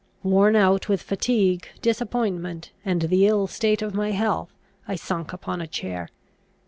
Worn out with fatigue, disappointment, and the ill state of my health, I sunk upon a chair.